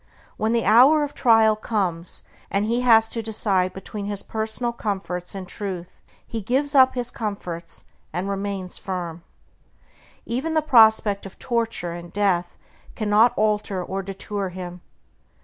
When the hour of trial comes, and he has to decide between his personal comforts and Truth, he gives up his comforts and remains firm. Even the prospect of torture and death cannot alter or deter him.